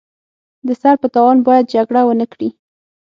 د سر په تاوان باید جګړه ونکړي.